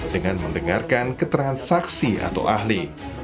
dengan mendengarkan keterangan saksi atau ahli